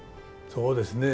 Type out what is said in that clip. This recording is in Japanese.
そうですね。